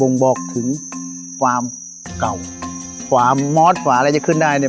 ่งบอกถึงความเก่าความมอสกว่าอะไรจะขึ้นได้เนี่ย